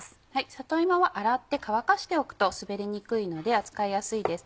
里芋は洗って乾かしておくと滑りにくいので扱いやすいです。